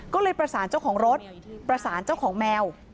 ก็เลยประสานเจ้าของรถประสานเจ้าของแมว